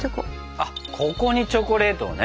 あここにチョコレートをね。